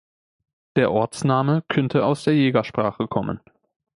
Der Ortsname könnte aus der Jägersprache kommen.